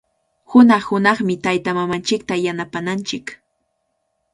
Hunaq-hunaqmi taytamamanchikta yanapananchik.